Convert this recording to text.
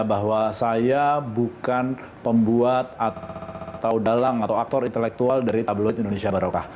bahwa saya bukan pembuat atau dalang atau aktor intelektual dari tabloid indonesia barokah